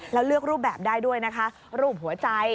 แล้วเลือกรูปแบบได้ด้วยนะคะรูปหัวใจ